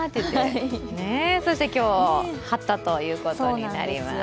そして今日、張ったということになります。